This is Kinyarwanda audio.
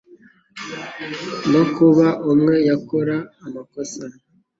no kuba umwe yakora amakosa